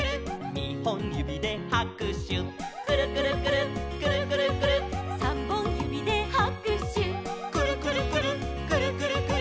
「にほんゆびではくしゅ」「くるくるくるっくるくるくるっ」「さんぼんゆびではくしゅ」「くるくるくるっくるくるくるっ」